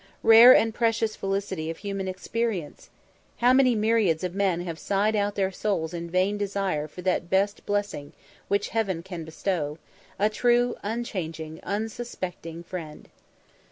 Rare and precious felicity of human experience! How many myriads of men have sighed out their souls in vain desire for that best blessing which Heaven can bestow, a true, unchanging, unsuspecting friend!